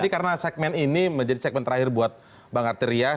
karena segmen ini menjadi segmen terakhir buat bang artir ya